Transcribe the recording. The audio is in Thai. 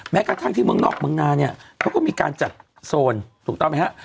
แม้กระทั่งที่เมืองนอกเมืองนาเนี่ยเขาก็มีการจัดโซนถูกต้องไหมฮะ